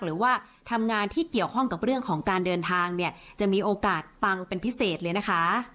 หรือว่าทำงานที่เกี่ยวข้องกับเรื่องของการเดินทางเนี่ยจะมีโอกาสปังเป็นพิเศษเลยนะคะ